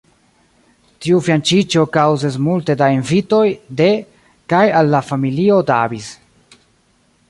Tiu fianĉiĝo kaŭzis multe da invitoj de kaj al la familio Davis.